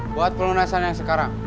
buat pelundasan yang sekarang